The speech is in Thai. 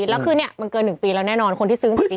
แล้วคือเนี่ยมันเกิน๑ปีแล้วแน่นอนคนที่ซื้อจริง